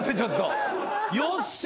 よっしゃ！